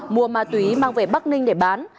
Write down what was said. mua ma túy mang về bắc ninh để bán